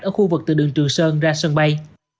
ở khu vực từ đường trường sơn ra sân bay